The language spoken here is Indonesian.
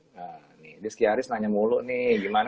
nah diskiaris nanya mulu nih gimana